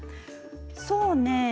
そうね。